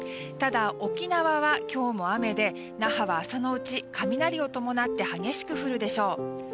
ただ沖縄は今日も雨で那覇は朝のうち、雷を伴って激しく降るでしょう。